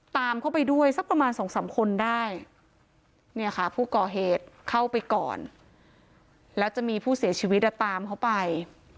เดินตามเข้าไปก่อนแล้วจะมีผู้เสียชีวิตตามเข้าไป